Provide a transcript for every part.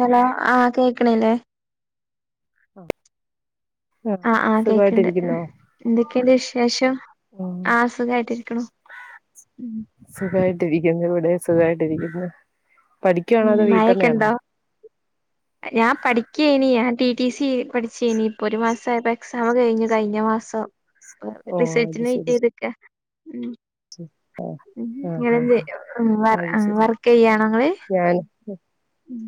Hello ആഹ് കേക്ക്ണില്ലേ? ഉം ആഹ് ആഹ് കേക്ക്ണ്ട് എന്തൊക്കെണ്ട് വിശേഷം ഉം ആഹ് സുഖായിട്ടിരിക്കുന്നു. ഉം സുഖായിട്ടിരിക്കുന്നു ഇവടെം സുഖായിട്ടിരിക്കുന്നു. പഠിക്കാണോ ഉം അതോ മഴയൊക്കെ വീട്ടമ്മയാണോ? ഉണ്ടോ ഞാൻ പഠിക്കേനി ഞാൻ ടി ടി സി പഠിച്ചയ്ഞ്ഞ് ഇപ്പൊരു മാസയപ്പോ എക്സാം കഴിഞ്ഞു കഴിഞ്ഞ മാസം [unintelligible] ഓ അത് റിസൾട്ടിന് ശരി വെയ്റ്റെയ്തിരിക്ക. ഉം ആഹ് ആഹ് നിങ്ങളെന്തെ ആഹ് വർ അത് ശരി വർക്കെയ്യാണോ ങ്ങള്? ഞാൻ ഉം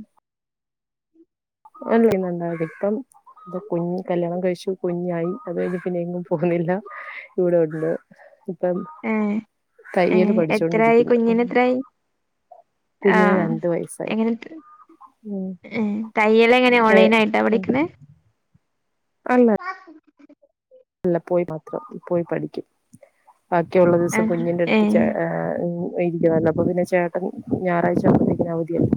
[unintelligible] കുഞ്ഞ് കല്യാണം കഴിച്ചു കുഞ്ഞായി അത് കഴിഞ്ഞ് പിന്നെ എങ്ങും പോകുന്നില്ല ഇവിടെ ഉണ്ട് ഇപ്പം ഏഹ് തയ്യല് ഏഹ് എത്രായി പഠിച്ചോണ്ടിരിക്കുന്നു കുഞ്ഞിന് എത്രായി കുഞ്ഞിന് ആഹ് രണ്ട് വയസായി ഉം തയ്യലെങ്ങെനെ ഏ ഓൺലൈനായിട്ടാണോ പടിക്ക്ണെ അല്ല അല്ല പോയി പാത്രം പോയി പഠിക്കും ബാക്കിയ്ള്ള ദിവസം ആഹ് കുഞ്ഞിൻ്റെ അടുത്ത് ചെ ഏഹ് ഏഹ് ഇരിക്കാല്ലോ അപ്പൊ പിന്നെ ചേട്ടൻ ഞാറാഴ്ച്ച [unintelligible] അവധ്യാ [unintelligible]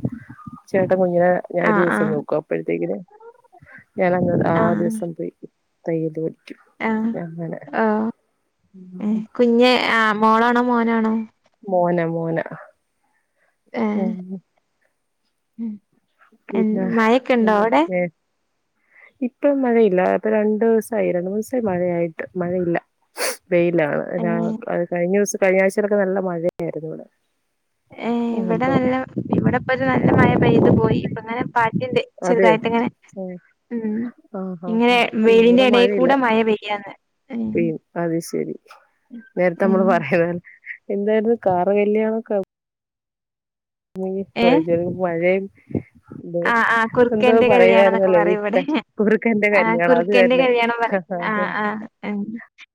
ചേട്ടൻ കുഞ്ഞിനെ ഞാ ആഹ് ഒരൂസം ആഹ് നോക്കും അപ്പഴ്ത്തേക്കിന് ഞാനങ്ങ് ആ ആഹ് ദിവസം പോയ് തയ്യല് പഠിക്കും ആഹ് ഓഹ് ഏഹ് കുഞ്ഞ് ആഹ് മോളാണോ മോനാണോ മോനാ മോനാ ഏഹ് ഉം എൻ പിന്നെ മഴക്കെണ്ടോ അവ്ടെ പിന്നെ ഇപ്പം മഴയില്ല അപ്പൊ രണ്ടൂസായി രണ്ട് മൂന്നൂസായി മഴയായിട്ട് മഴയില്ല വെയിലാണ് രാ ഏഹ് കഴിഞ്ഞൂസ് കഴിഞ്ഞാഴ്ചയിലൊക്കെ നല്ല മഴയായ്ര്ന്നു ഇവടെ ഏഹ് ഇവിടെ നല്ല ഇവിടെ ഇപ്പൊര് നല്ല മഴ പെയ്ത് പോയി ഇപ്പങ്ങെനെ പാറ്റ്ണ്ട് ചെർതായിട്ട്ങ്ങനെ ഉം ഉം ഇങ്ങെനെ വെയിലിന്റെ എടേ മഴയില്ല കൂടെ മഴ പെയ്യാന്ന് ഏഹ് പെയ്യും അത് ശെരി നേര്ത്തെ ഉം നമ്മള് പറയുന്ന എന്താര്ന്നു കാറ കല്യാണം ക ഏഹ് മീഫ്‌വച്ചാെരു പഴെയേ ആഹ് ആഹ് കുർക്കെന്റെ കല്യാണംന്നൊക്കെ പറയുവായിരുന്നല്ലോ ഈ പറയും ഇവടെ കുറുക്കന്റെ ആഹ് കല്യാണം അത് കുർക്കന്റെ തന്നെ കല്യാണം പറ ആഹ് ആഹ് ഉം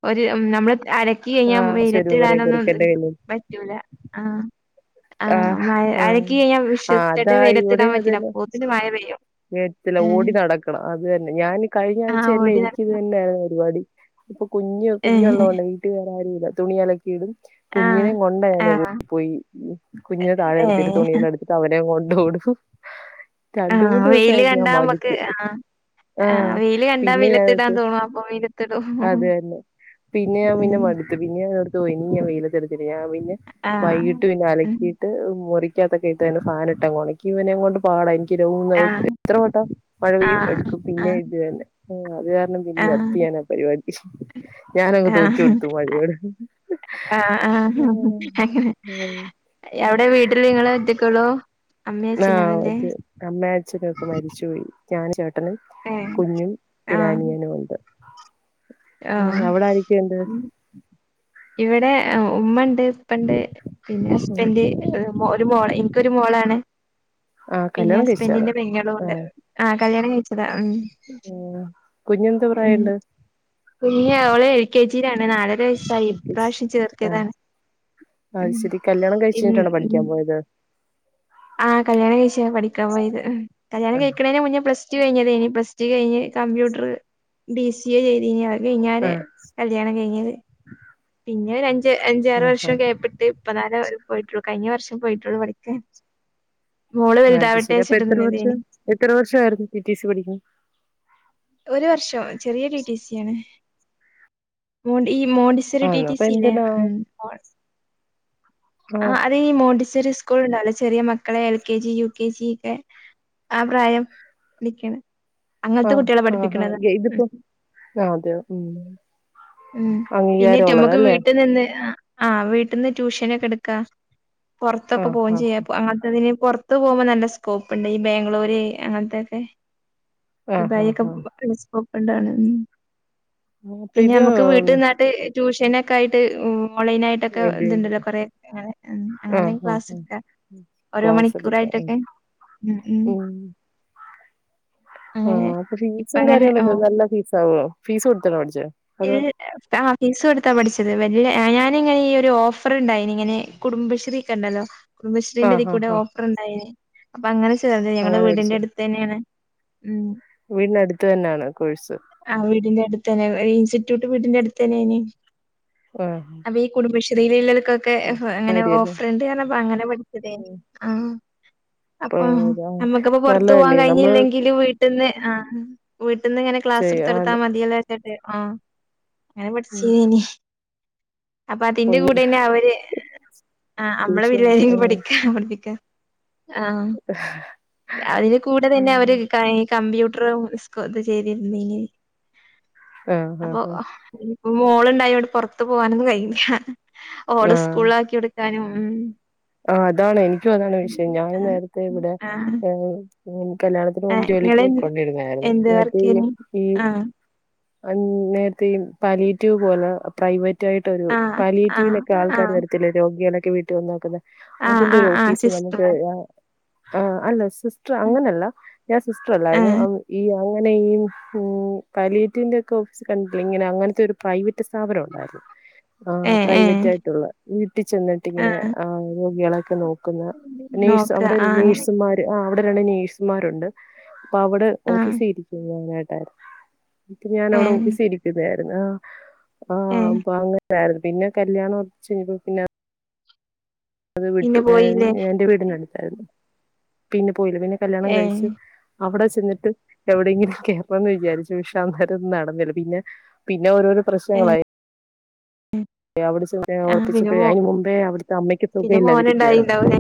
ഒര് ഉം നമ്മള് അര ക്കി ആ കഴിഞ്ഞാ ശരി വെയിലെത്ത് പറയും ഇടാനൊന്നും കുറുക്കന്റെ കല്യാണം പറ്റൂല ആഹ് ആ ആഹ് മഴ ആ അലക്കി കഴിഞ്ഞാ ആ വിശ്വസ്ച്ച്ട്ട് അതാ വെയിലെത്തിടാം പറ്റൂല അപ്പോത്തിന് മയ പെയ്യും [unintelligible] ച്ച്‌ല ഏഹ് ഓടി നടക്കണം അത് തന്നെ ഞാൻ കഴിഞ്ഞ ആഹ് ആഴ്ചയല്ല ഓടി എനിക്കിത് നടക്കണം തന്നെ ആയിര്ന്നു പരിപാടി ഇപ്പൊ കുഞ്ഞ് ഏഹ് കുഞ്ഞുള്ളോണ്ടേ വീട്ടിൽ വേറെ ആരുല്ല തുണിയലക്കിടും ആഹ് കുഞ്ഞിനെയും കൊണ്ടാ ഞാൻ ആഹ് ഓടിപ്പോയി കുഞ്ഞിനെ താഴെ നിർത്തിയിട്ട് ഏഹ് തുണിയെല്ലാം എട് അവനേം കൊണ്ട് ഓടും രണ്ട് ആഹ് മൂന്ന് വെയില് ദിവസായപ്പം ഞാൻ കണ്ടാ നമ്മക്ക് മട്ത്ത് ആഹ് ആഹ് വെയില് കണ്ടാ പിന്നെ വെയിലത്തിടാൻ അത് തോന്നും അപ്പൊ വെയിലത്തിടും അത് തന്നെ പിന്നെ ഞാൻ പിന്നെ ഉം മട്ത്ത് പിന്നെ ഞാനെട്ത്ത് ഒയ്ഞ്ഞ വെയിലത്തെറത്തില്ല ഞാൻ പിന്നെ ആഹ് വൈകിട്ട് പിന്നെ ഉം അലക്കി ട്ട് മുറിക്കകത്തൊക്കെ ഇട്ട് ഫാൻ ഇട്ടങ്ങ് ഒണക്കി ഇവനേം കൊണ്ട് പാടാ എനിക്ക് ണ്ട് മൂന്ന് [unintelligible] ആഹ് എത്ര വട്ടം മഴ പെയ്യുംമ്പം ആഹ് എട്ക്കും പിന്നെ ആഹ് ഇത് തന്നെ ഓഹ് അത് കാരണം ആഹ് നിർത്തി ഞാനാ പരിപാടി ഞാനങ്ങ് തോറ്റ് ആഹ് കൊട്ത്തു മഴയോട് ആഹ് ആഹ് അങ്ങനെ അവിടെ വീട്ടില് ഇങ്ങെള് ഒറ്റെക്കാെള്ളു ആഹ് അത് അമ്മേ അച്ഛനൊക്കെ മരിച്ചുപോയി ഞാനും ചേ ട്ടനും ഏഹ് കുഞ്ഞും പിന്നെ ആഹ് അനിയനു ഉണ്ട് ഉം ആഹ് അവിടെ ആരെക്കെയ്ണ്ട് ഇവടെ ഉമ്മണ്ട് ഇപ്പണ്ട് പിന്നെ ഹസ്ബന്റ് ഒരു മാേ ഒരു മോ ഇൻക്കൊരു മോളാണ് ആഹ് പിന്നെ കല്യാണം കഴിച്ചതാണോ? ഹസ്ബന്റിന്റെ പെങ്ങെളൂണ്ട് ആഹ് കല്യാണം കയ്ച്ചതാ ആം ഊം ഉം പിന്നെ അവള് എൽ കെ ജീലാണ് നാലര വയസ്സായി ഇപ്രാവ്ശ്യം ആഹ് ചേർത്ത്യതാണ് അത് ഉം ശരി കല്യാണം കഴിച്ച് ഇൻ കഴിഞ്ഞിട്ടാണോ ഉം പഠിക്കാൻ പോയത് ആഹ് കല്യാണം കഴിച്ച പഠിക്കാൻ പോയത് കല്യാണം ആ കഴിക്ക്ണേന്ന് മുന്നെ പ്ലസ് കയ്ഞ്ഞതേനി പ്ലസ്റ്റു കെയ്ഞ്ഞ് കമ്പ്യൂട്ടർ ബി സി എ ചെയ്തീനി അത് ആ കെയ്ഞ്ഞാരെ കല്യാണം കയ്ഞ്ഞത് പിന്നെ ഒരു അഞ്ച് ആ അഞ്ചാറ് വർഷം ഗ്യാപ്പിട്ട് പതാരാ [unintelligible] പോയിട്ടുള്ളൂ കഴിഞ്ഞ വർഷം പോയിട്ടുള്ളൂ പഠിക്കാൻ മോള് അത് വലുതാവട്ടെ ശെരി അപ്പൊ വെച്ചിട്ട് എത്ര നിന്നതേനി വർഷം എത്ര വർഷം ആരുന്നു ടി ടി സി പഠിക്കാൻ ഒരു വർഷം ചെറിയ ടി ടി സി ആണ് മോൻടി ഈ മോൻടിസോറി ടി ആണോ ടി അപ്പൊ സില്ലേ എന്തിനാ ഉം ഒ ആ ആഅത്- തി മോണ്ടിസോറി സ്കൂൾ ഉണ്ടല്ലോ ചെറിയ മക്കളെ L K G U K G ഒക്കെ ആ പ്രായം വിളിക്കണ് ആ അങ്ങനത്തെ കുട്ടി- ആ ആ ഗേതിപ്പോ ആതെയോ ഉം ഉം പിന്നെ അംഗീകാരം ഉള്ളതാല്ലേ [unintelligible] ആ വീട്ടിന്ന് ട്യൂഷനൊക്കെ എടുക്കാ ആ പുറത്തൊക്കെ പോവേം ആ ചെയ്യാപ്പൊ അങ്ങനെത്തതിന് പുറ- ത്ത് പോവുമ്പോ നല്ല സ്കോപ്പ്ണ്ട് ഈ ബാംഗ്ലൂര് അങ്ങനത്തെക്കെ ദുബായി ആഹഹാ ഒക്കെ സ്കോപ്പ് ഉണ്ടാന്ന് ഉം അപ്പൊ ഇത് പിന്നെമ്മക്ക് വീട്ടീന്നാ- ട്യൂഷനൊക്കെ ആയിട്ട് ഓൺലൈൻ ആയിട്ട് ട്ടോക്കെ ഇതുണ്ടല്ലോ ഉപയോഗിക്കാം കൊറെ ആ അങ്ങനെ ക്ലാസ്സ് എടുക്കാം ക്ലാസ്സ്‌ എടുക്കാം ഉം ആ അങ്ങനെ അപ്പൊ ഇപ്പ ഫീസും അങ്ങനെ ഓ കാര്യങ്ങളൊക്കെ നല്ല ഫീസ് ആവോ ഫീസ് കൊടുത്തണോ പഠിച്ചേ അതോ ഇത് ആ ഫീസ് കൊടുത്താ പഠിച്ചത് വലിയ ഞാനിങ്ങനെ ഈ ഒരു ഓഫർ ഉണ്ടായിനിങ്ങനെ കുടുംബശ്രീ ക്കണ്ടല്ലോ ആ കുടുംബശ്രീന്റെതി ആ കൂടെ ആ ഓഫർ ഉണ്ടായിന് അപ്പൊ അങ്ങനെ ചേർന്ന് ഞങ്ങടെ അങ്ങനെ വീടിന്റെ അടു- തന്നെയാണ് ഉം വീടിനടുത്തന്നാണ് കോഴ്സ് ആ വീടിന്റെ അടുത്തന്നെ എയ് ഇൻസ്റ്റിറ്റ്യൂട്ട് വീടിന്റെ അടുത്തന്നെയാണ് ആഹാ ഈ കുടുംബശ്രീയിലുള്ളള്ളക്കൊക്കെ ങ്ങനെ കാര്യല്ലേ ഓഫർണ്ട്ന്ന് പറഞ്ഞപ്പോ അങ്ങനെ പ- ആ അപ്പ ഇപ്പതാ നമ്മക്ക്പ്പ പുറത്ത് പോവാൻ നല്ലതല്ലേ നമ്മള് കയിഞ്ഞില്ലെങ്കിലു വീ- ട്ടിന്ന് ആ വീട്ടിന്ന് ഇങ്ങനെ ക്ലാസ് ചെയ്യാൻ എടുത്ത്കൊടുത്താ മതിയല്ലോ വെച്ചിട്ട് ആ അങ്ങനെ പഠിച്ചിനീ അപ്പൊ അതിന്റെ ഒന്ന് കൂടെന്നെ അവര് ആ അമ്മള് ട്യൂഷൻ വരുവായി [unintelligible] പഠിക്കാ പഠിപ്പിക്ക- ആ അതിൽ കൂടെതന്നെ ആഹ് അവര് കൈ കമ്പ്യൂ- ട്റും സ്കോ ഇത് ചെയ്തിരുന്നിനി ആഹ് അപ്പൊ ആഹ് ആഹ് മോളുണ്ടായോണ്ട് പുറത്ത് പോവാനൊന്നും കഴിയില്ലാ ഓള് സ്കൂളാക്കി കൊടുക്കാനും ഉം ആ അതാണ് എനിക്കും അതാണ് വിഷയം ഞാൻ ആഹ് നേരത്തെ ഇവിടെ ആഹ് ആ ഉം കല്യാണത്തിന് മുമ്പ് ഏഹ് ജോലിക്ക് ഇങ്ങള് എന്ത് പോയിക്കൊണ്ടിരുന്നായിരുന്നു എന്ത് മറ്റേ വർക്കേനി [unintelligible] ഈ ആഹ് അ നേരത്തെ ഇ പലിയേറ്റിവ് പോലെ പ്രൈവറ്റ് ആയിട്ടൊരു ആഹ് ആഹ് പാലിയേറ്റീവിനൊക്കെ ആൾക്കാര് ആഹ് വരത്തില്ലേ രോഗികളൊക്കെ വീട്ടിൽ വന്ന് നോക്കുന്ന ആഹ് അതിന്റെ ഒരു ആഹ് ആഹ് ഓഫീസ് നമുക്ക് സിസ്റ്റർമാര് ആ ആ അല്ല റ്റർ അങ്ങനല്ല ഞാൻ സിസ്റ്റർ അല്ലായിരുന്നു ആഹ് അ- ഈ അങ്ങനെ ഈ ഉ പലിറ്റീവിന്റെ ഒക്കെ ഓഫീസ് കണ്ടിട് ഇങ്ങനെ അങ്ങനത്തെ ഒരു പ്രൈവറ്റ് സ്ഥാപനം ഉണ്ടായിരുന്നു. ആ ഏഹ് ഏഹ് പ്രൈവറ്റ് ആയിട്ടുള്ള വീട്ടിൽ ചെന്നിട്ടിങ്ങനെ ആഹ് ആ യാളൊക്കെ നോക്കുന്ന നഴ്സ് നോക്ക അവിടെ ആഹ് അങ്ങനെ നഴ്സുമാര് ആ അവിടെ രണ്ട് നഴ്സുമാരുണ്ട്. അപ്പ അവിടെ ആഹ് ഓഫീസ് ഇരിക്ക [unintelligible] ട്ടായിരുന്നു ഞാനവിടെ ഏഹ് ഓഫീസ് ഇരിക്കുന്നര്- ആഹ് ആ ഏഹ് അപ്പൊ അങ്ങനര്ന്ന് പിന്നെ കല്യാണം ഉറച്ച് [unintelligible] പിന്ന. അത് പിന്നെ വിട്ടു ഏ പോയില്ലേ എന്റെ വീടിനടുത്താരുന്നു പിന്നെ പോയില്ല പിന്നെ കല്യാണം ഏഹ് കഴിച്ചു അവിടെ ചെന്നിട്ട് എവിടെങ്കിലും കേറണംന്ന് വിചാരിച്ചു പക്ഷേ അന്നേരം ഒന്നും നടന്നില്ല പിന്നെ. പിന്നെ ഓരോരോ ഏഹ് പ്രശ്നങ്ങളായി അവിടെ [unintelligible] ആഹ് പിന്നെ ഉറപ്പിച്ചപ്പോഴേ മോ അതിന് മുമ്പേ അവിടുത്തെ അമ്മയ്ക്ക് സുഖം പിന്നെ ഇല്ലാതിരിക്കുവാരുന്നു. മോനുണ്ടായിണ്ടാവൂലേ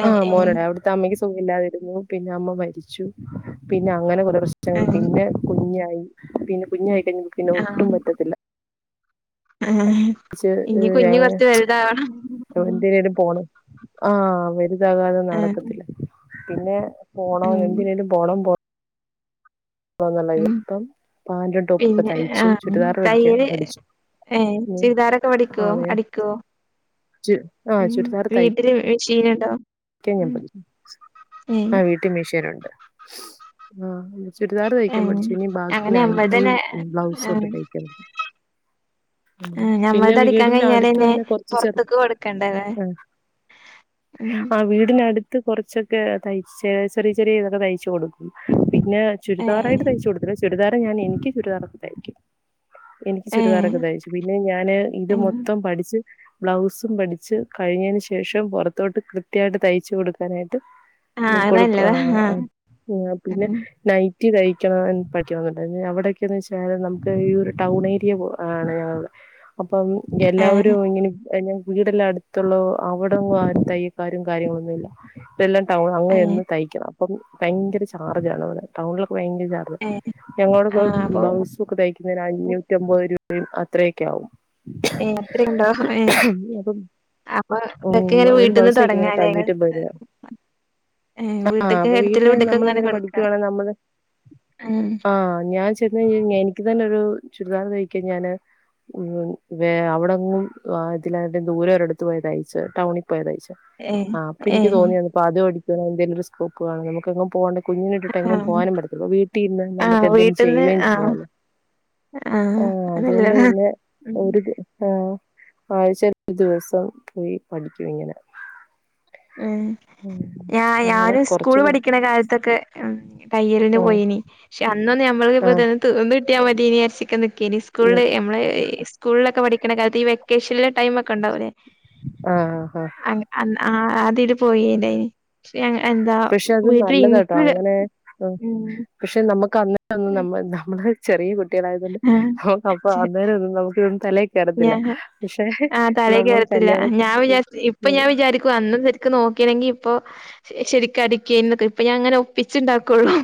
ഏഹ് ആഹ് ഏഹ് മോനൊരാൾ [unintelligible] തമ്മയ്ക്ക് സുഖല്ലാതിരുന്നു പിന്നെ അമ്മ മരിച്ചു പിന്നെ അങ്ങനെ കുറെ പ്രശ് ച്ച ഏഹ് പിന്നെ കുഞ്ഞായി പിന്നെ കുഞ്ഞായി കഴിഞ്ഞ [unintelligible] പിന്നെ ആഹ് ഒട്ടും പറ്റത്തില്ല. ഏഹ് ച്ച് ഇനി ഇഹ് കുഞ്ഞ് ഏഹ് കൊറച്ച് വലുതാവണം എന്തിനേലും പോണം ആഹ് വലുതാകാതെ ആഹ് നടക്കത്തില്ല പിന്നെ. പോണം ഉം എന്തിനേലും പോണം പോ ന്നുള്ളത് ഉം ഇപ്പം പാന്റും ടോപ്പൊക്കെ പിന്നെ തൈച്ചു ആഹ് ചുരിദാറു അടിക്കാൻ തയ്യല് പഠിച്ചു. ഏഹ് ചുരിദാരൊക്കെ പടിക്കോ ആ വേ അടിക്കോ? ചു ആഹ് ഉം ചുരിദാർ തയ്ക്കാൻ വീട്ടില് മിഷീനുണ്ടോ ഞാൻ ഉം പഠിച്ചു ആ വീട്ടിൽ മിഷീനുണ്ട്. ചുരിദാർ തൈക്കാൻ ഏഹ് പഠിച്ചു ഇനി ബാക്കി അങ്ങനെ ഞമ്മൾതന്നെ നൈറ്റിയും ബ്ലൗസും ആഹ് ഒക്കെ തയ്ക്കാൻ പ ആഹ് പിന്നെ ഞമ്മൾത് അടിക്കാൻ വീടിന്റെ അടുത്ത് കഴിഞ്ഞാലെന്നെ തന്നെ കുറച്ച് ചെർ പൊറത്ത്ക്ക് കൊടുക്കണ്ടല്ലേ ഉം ഉം ആഹ് വീടിനടുത്ത്. ത്ത് കുറച്ചൊക്കെ തയ്ച്ച് ചെറിയ ചെറിയ ഇതൊക്കെ തയ്ച്ചു കൊടുക്കും പിന്നെ. ഏഹ് ചുരിദാറായിട്ട് തയ്ച്ചു കൊടുത്തില്ല ചുരിദാറ് ഞാൻ എനിക്ക് ചുരിദാറൊക്കെ തയ്ക്കും. എനിക്ക് ചുരിദാറൊക്കെ ഏഹ് തൈച്ചു പിന്നെ ഞാന് ഇത് ഉം മൊത്തം പഠിച്ച്. ബ്ലൗസും പഠിച്ച് കഴിഞ്ഞതിന് ശേഷം പുറത്തോട്ട് കൃത്യമായിട്ട് തയ്ച്ച് കൊടുക്കാനായിട്ട്. ആഹ് അത് കൊടുക്കും നല്ലതാ ആഹ് ആഹ് പിന്നെ ഉം നൈറ്റി. റ്റി തൈക്കണ പഠിക്കണമെന്ന നണ്ട് അവിടെയൊക്കെയന്ന് വെച്ചാല് നമുക്ക് ഈ ഒരു ടൗൺ ഏരിയ ആണ്. അപ്പം ഏഹ് എല്ലാവരും ഇങ്ങനെ. വീടല്ല അടുത്തുള്ള അവിടെ ആ തയ്യൽ ക്കാരും കാര്യങ്ങളൊന്നുല്ല. ഇ എല്ലാം ടൗൺ അങ്ങ് ഏഹ് ചെന്ന് തൈക്കണം അപ്പം ഭയങ്കര ചാർജ ആണവിടെ ടൗണിലൊക്കെ ഭയങ്കര ചർജ. ഏഹ് ഞങ്ങളോടൊക്ക ആഹ് അപ്പൊ ബൗസ് ഒക്കെ തൈക്കുന്നതിന് അഞ്ഞൂറ്റമ്പത് രൂപയും അത്രയൊക്കെ ആകും. ഏയ് അത്രയുണ്ടോ ഏഹ് ഉം അപ്പൊ അപ്പൊ ഇതൊക്കെ ഇങ്ങനെ വീട്ടിന്ന് തുടങ്ങാല്ലേ. അഞ്ഞൂറ്റമ്പത് രൂപ ഏഹ് ആ വീട്ട്ക്കെ അപ്പൊ എടുത്തിലെ വീട്ടില് വീട്ട് കൊക്കെ ഇങ്ങനെ നമ്മളെന്തേലും കൊടുക്കാ. പഠിക്കുവാണെ നമ്മൾ ആഹ് ഞാൻ ചെന്ന് കഴിഞ്ഞ എനിക്ക് തന്നെ ഒരു ചുരിദാർ തൈക്കാൻ ഞാന്. ഉം വെ അവിടെങ്ങും ഇതിലയിട്ട് ദൂര ഒരിടത്ത് പോയ തൈച്ചെ ടൗണിൽ. പോയി തൈച്ചേ ഏഹ് ആ അപ്പൊ എനി ക്ക് ഏഹ് തോന്നി [unintelligible] കുഞ്ഞിനെ ഇട്ടിട്ട് നമുക്ക് എങ്ങും ആഹ് പോകാനും പറ്റത്തി ല്ല വീട്ടിൽ ഇരുന്ന് നമുക്ക് ആഹ് എന്തേലും വീട്ടിന്ന് ചെയ്യുകയും ആഹ് ചെയ്യാലോ? ആഹ് അത് അതു കൊണ്ട് നല്ലതാ പിന്നെ ഉം ഒരു ആഹ് ആഴ്ച ഒരു ദിവസം പോയി പഠിക്കും ഇങ്ങനെ. ഏഹ് ഉം. ഞാ അങ്ങനെ ഞാന് കൊറച്ച് സ്കൂള് പഠിച്ചു പഠിക്കണ കാലത്തൊക്കെ ഉം തയ്യലിന്ന് ആഹ് പോയിനി. പക്ഷെ അന്നൊന്ന് നമ്മ ഇപ്പ ആഹ് തൊന്ന് തീർന്ന് കിട്ടിയാൽ മതിയേനി വിചാരിച്ച് ങ്ങനെ നിക്കേനി സ്കൂള് നമ്മളെ. സ്കൂളിലൊക്കെ പഠിക്ക കാലത്ത് ഈ വെക്കേഷനിലെ ടൈമ് ഒക്കെ ഉണ്ടാവുലേ? ആഹ് ആഹ് അ അന്ന് ആഹ് ആതിത് പോയിലയ്. ഷേ എന്താ പക്ഷെ അത് വീട്ടില് നല്ലതാട്ടോ ഇൻക് അങ്ങനെ ഉം പക്ഷെ നമ്മുക്ക് അന്നന്ന് നമ്മ നമ്മള് ചെറിയ കു ട്ടായത്ണ്ട് ആ അപ്പ ചെ അന്നേര ഒന്നും നമുക്ക് ഇതന്നും തലയക്കറത്തില്ല പക്ഷെ നമ്മ ല്ല ഞാൻ വിചാരി ഇപ്പൊ ഞാൻ വിചാരിക്കു അന്നും ശരിക്കും നോക്കില്ലെങ്കി ഇപ്പൊ ശരിക്ക അടിക്കേനി ഇപ്പൊ ഞാൻ അങ്ങനെ ഒപ്പിച്ചു ഉണ്ടാക്കുള്ളൂ.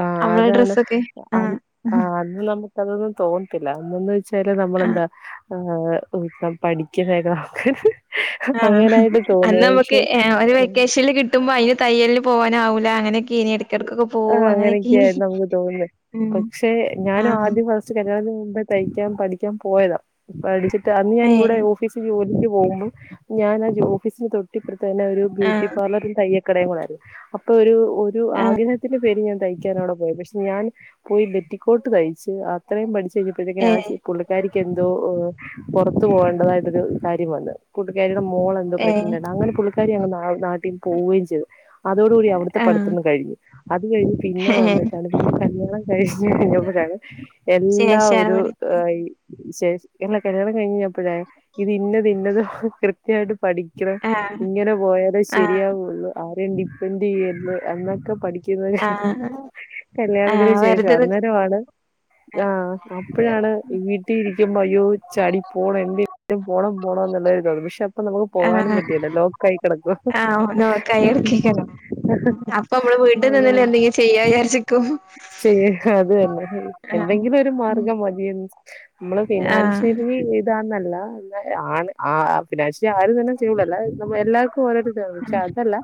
ആ അമ്മളെ അതാണ് ഡ്രസ്സൊക്കെ ആ ആഹ് ആഹ് അന്ന് നമുക്കതൊന്നും തോന്നല്ല അന്ന് വെച്ചാല് ആ നമ്മളെന്താ. [unintelligible] ആഹ് അങ്ങനായിട്ട് അന്ന് തോന്നും നമുക്ക് പക്ഷെ ഒരു വെക്കേഷനി കിട്ട കിട്ടുമ്പോ അയിന് തയ്യലന് പോവാനാവൂല അങ്ങനെക്കെ ഇ ആഹ് അങ്ങനെയൊക്കെയായിരുന്നു നമുക്ക് തോന്നുന്നത് ഉം പക്ഷെ ഞാനും ആഹ് ആദ്യ ഫാ കല്യാണത്തിന് മുമ്പേ തൈക്കാൻ പഠിക്കാൻ പോയതാ പഠിച്ചിട്ട് അന്ന് ഞാന ഇവിടെ ഏഹ് [unintelligible] ജോലിക്ക് പോകുമ്പോ ഞാൻ ആ ജ ഓഫീസിന് തൊട്ടിപ്പുറത്ത തന്നെ ഒരു ബ്യൂട്ടി ആഹ് പാർലറിൽ തയ്യൽ കാടെ കൂടെ അപ്പൊ ഒരു ഒരു ആഹ് ആഗ്രഹത്തിന്റെ പേര് ഞാൻ തയ് വിടെ പോയ പക്ഷെ ഞാൻ പോയി ബെറ്റിക്കോട്ട് തയ്ച്ച് അത്രേയും പഠിച്ചു കഴിഞ്ഞപ്പോഴത്തേക്ക ആ ഏഹ് ചെ പുള്ളിക്കാരിക്ക് എന്തോ പുറത്തു പോകേണ്ടതായിട്ടൊരു കാര്യം വന്ന് കൂട്ടിക്കാരിടെ മോള ഏഹ് പ്രേഗ്നെടാ അങ്ങനെ പുള്ളിക്കാരി നാട്ടിൽ പോക ചെയ്തു അതോട്കൂടി അവിടുത്തെ ആഹ് പഠിത്തം കഴിഞ്ഞു അത് കഴിഞ്ഞ് പിന്നെ ഏഹ് വന്നിട്ടാണ് പിന്നെ കല്യാണം കഴിഞ്ഞ് കഴിഞ്ഞപ്പോഴാണ് എല്ലാ ശേഷാണ് ഒരു പഠിച്ചേ ഏയ് ചെ എല്ല കല്യാണം കഴി കഴഞ്ഞപ്പോഴേ ഇത് ഇന്നത് ഇന്നത കൃത്യമായിട്ട് പഠിക്ക ആഹ് ഇങ്ങനെ പോയാലേ ആഹ് ശരിയാവുള്ളൂ ആരും ഡിപ്പെൻഡ ചെയ്യല്ല എന്നൊക്കെ പടി കിതാനെ ആഹ് കല്യാണത്തിന് ആഹ് ശേഷം വെറുതെ നിക്ക് അന്നേരമാണ് ആ ആഹ് അപ്പോഴാണ് ഉം. ഈ ട്ടി ഇരിക്കുമ്പോ അയ്യോ ചാടി പോകണം എന്തും പോണം പോണം എന്നായിരുന്നു പക്ഷെ അപ്പൊ നമുക്ക് പോകാനും ആഹ് പറ്റില്ല ലോക്ക ആയി കിടക്കവാ. ആഹ്. നോക്കായി എടുക്കേക്കാരം അപ്പൊ നമ്മള് വീട്ടിൽ നിന്ന എന്തങ്കിലും ചെയ്യാ വിചാരിച്ച ശ അത് തന്നെ ആഹ് എന്തെങ്കിലും ഒരു ഉം മാർഗം മതിന്ന് നമ്മള് ആഹ് ഫിനാൻഷ്യലി ഇതാന്നല്ല എന്ന ആണ് ആ ഫിനാഷ്യലി ആരും തന്നെ സ്റ്റബിൾഅല്ല എല്ലാവർക്കും ഓരോരുത്ത പക്ഷെ അതല്ല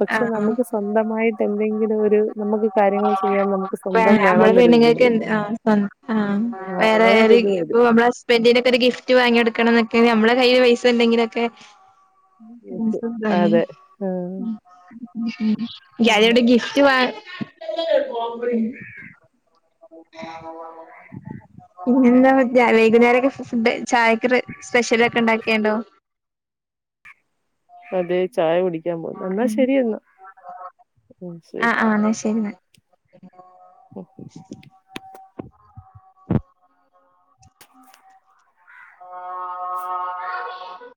പക്ഷെ ആഹ് നമുക്ക് സ്വന്തമായിട്ട് എന്തെങ്കിലും ഒരു നമുക്ക് കാര്യങ്ങൾ ചെയ്യാൻ നമുക്ക് സ്വന്തം നമ്മള വേണന്നൊരു പെണ്ണുങ്ങൾക്ക് എ വിചാരം ആവ ആ ആ വേറെ അങ്ങനൊരിത് ഇപ്പ വരും നമ്മള ഹസ്ബന്റിനൊക്കെ ഒരു ഗിഫ്റ്റ് വാങ്ങിയെടുക്കണം എന്നൊക്കെ നമ്മുടെ കയ്യിൽ പൈസ ണ്ടെങ്കിലൊക്കെ പ്പം അതെ ആ -ഏതാണ് വിടെ ഗിഫ്റ്റ് വ [unintelligible] [inaudible] പിന്നെന്താ വൈകുന്നേരൊക്ക ഫുഡ? ചായക്കറ സ്പെഷ്യല ഒക്കെ ഉണ്ടാക്കിയണ്ടോ? അതെ ചായ കുടിക്കാൻ പോന്നു എന്നാ ആഹ് ശരിയെന്നാ. ആ് ആ എന്നാൽ ശരി എന്നാ. ബ [inaudible] ഉ [inaudible] ആ [inaudible]